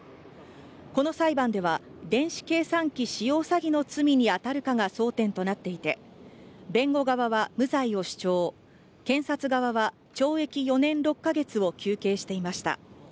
この裁判では電子計算機使用詐欺の罪に当たるかが争点となっていて弁護側は無罪を主張、検察側は懲役４年６か月を求刑していました。